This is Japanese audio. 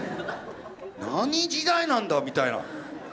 何時代なんだ⁉みたいな。